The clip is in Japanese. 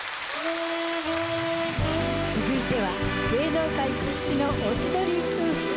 続いては芸能界屈指のおしどり夫婦。